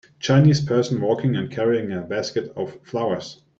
Chinese person walking and carrying a basket of flowers.